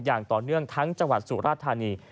อย่างต่อเนื่องทั้งจังหวัดสุราธานี